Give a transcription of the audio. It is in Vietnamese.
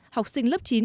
học sinh lớp chín